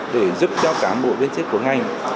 để giúp cho cán bộ viên chức của ngành